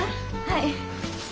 はい。